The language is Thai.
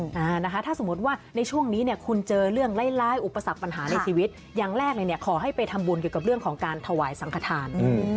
อ่านะคะถ้าสมมุติว่าในช่วงนี้เนี่ยคุณเจอเรื่องร้ายอุปสรรคปัญหาในชีวิตอย่างแรกเลยเนี่ยขอให้ไปทำบุญเกี่ยวกับเรื่องของการถวายสังขทาน